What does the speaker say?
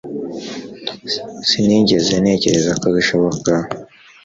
sinigeze ntekereza ko bishoboka